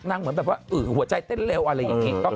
เหมือนแบบว่าหัวใจเต้นเร็วอะไรอย่างนี้